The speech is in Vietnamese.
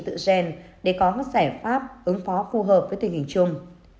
tựa gen để có các giải pháp ứng phó phù hợp với tình hình chung